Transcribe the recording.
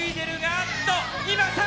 ああっと！